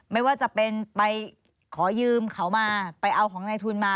ไม่ว่าจะเป็นไปขอยืมเขามาไปเอาของในทุนมา